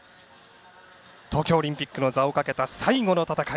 東京オリンピックの座をかけた最後の戦い。